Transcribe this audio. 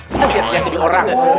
lihat lihat lihat itu diorang